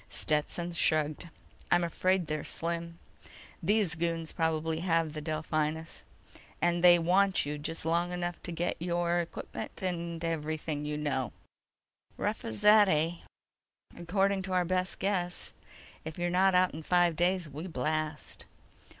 Stetson shrugged. "I'm afraid they're slim. These goons probably have the Delphinus, and they want you just long enough to get your equipment and everything you know." "Rough as that, eh?" "According to our best guess. If you're not out in five days, we blast."